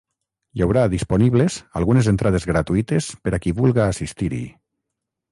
Hi haurà disponibles algunes entrades gratuïtes per a qui vulga assistir-hi.